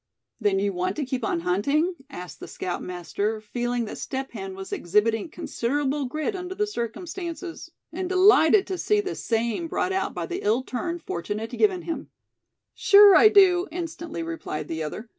"Then you want to keep on hunting?" asked the scoutmaster, feeling that Step Hen was exhibiting considerable grit under the circumstances, and delighted to see this same brought out by the ill turn fortune had given him. "Sure I do," instantly replied the other.